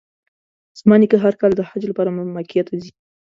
زما نیکه هر کال د حج لپاره مکې ته ځي.